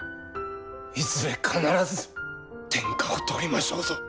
いずれ必ず天下を取りましょうぞ！